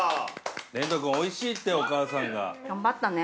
◆れんと君、おいしいって、お母さんが。◆頑張ったね。